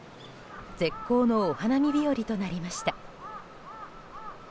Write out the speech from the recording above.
絶好のお花見日和となりました。